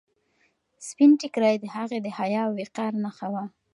سپین ټیکری د هغې د حیا او وقار نښه وه.